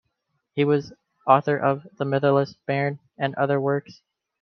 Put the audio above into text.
He was author of "The Mitherless Bairn" and other works.